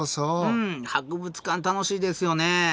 うん博物館楽しいですよね。